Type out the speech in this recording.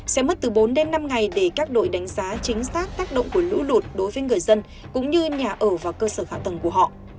sẽ mất từ bốn đến năm ngày để các đội đánh giá chính xác tác tác động của lũ lụt đối với người dân cũng như nhà ở và cơ sở hạ tầng của họ